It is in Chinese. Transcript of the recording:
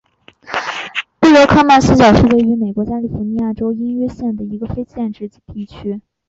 布罗克曼斯角是位于美国加利福尼亚州因约县的一个非建制地区。